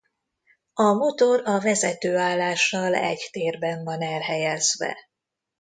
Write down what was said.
A motor a vezetőállással egy térben van elhelyezve.